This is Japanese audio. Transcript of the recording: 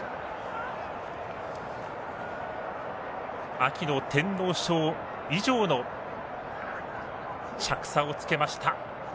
秋の天皇賞以上の着差をつけました。